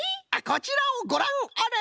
こちらをごらんあれ！